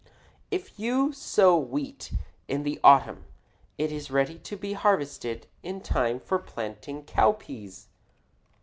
If you sow wheat in the autumn it is ready to be harvested in time for planting cowpeas.